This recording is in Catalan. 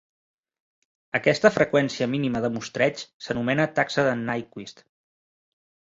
Aquesta freqüència mínima de mostreig s'anomena taxa de Nyquist.